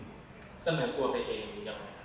เสนอตัวไปเองหรือยังไง